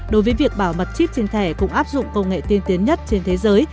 đối với việc bảo mật chip trên thẻ cũng áp dụng công nghệ tiên tiến nhất trên thế giới